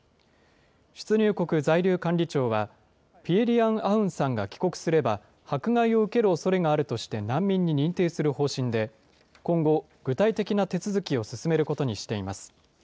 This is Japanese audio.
出入国在留管理庁は、ピエ・リアン・アウンさんが帰国すれば、迫害を受けるおそれがあるとして難民に認定する方針で、今後、具体的な手続きを進めることにしています。